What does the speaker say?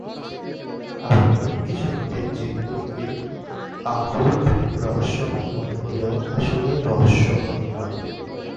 আবার অনেক কিছু ঘটে-যেগুলোকে আ খুব রহস্যময় মনে হলেও আসলে রহস্যময় নয়।